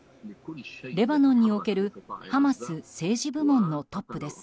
レバノンにおけるハマス政治部門のトップです。